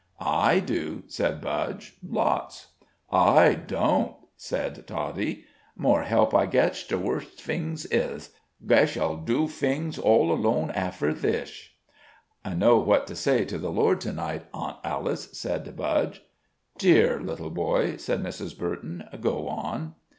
"I do," said Budge. "Lots." "I don't," said Toddie. "More help I getsh, the worse fings is. Guesh I'll do fings all alone affer thish." "I know what to say to the Lord to night, Aunt Alice," said Budge. "Dear little boy," said Mrs. Burton, "go on."